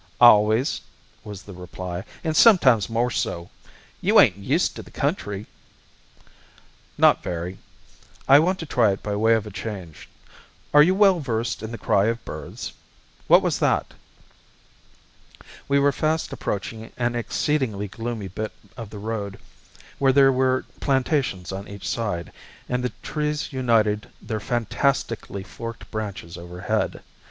"Always," was the reply, "and sometimes more so. You ain't used to the country?" "Not very. I want to try it by way of a change. Are you well versed in the cry of birds? What was that?" We were fast approaching an exceedingly gloomy bit of the road where there were plantations on each side, and the trees united their fantastically forked branches overhead.